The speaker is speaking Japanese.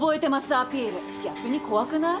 アピール逆に怖くない？